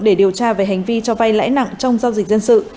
để điều tra về hành vi cho vay lãi nặng trong giao dịch dân sự